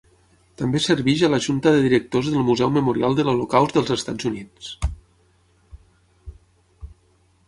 També serveix a la Junta de Directors del Museu Memorial de l'Holocaust dels Estats Units.